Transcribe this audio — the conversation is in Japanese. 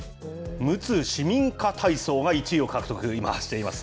むつ市民歌体操が１位を獲得、今しています。